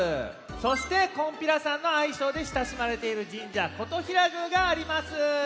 そして「こんぴらさん」のあいしょうでしたしまれているじんじゃ金刀比羅宮があります。